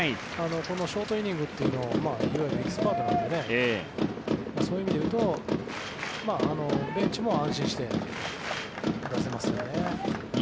このショートイニングではいわゆるエキスパートなのでそういう意味で言うとベンチも安心して出せますね。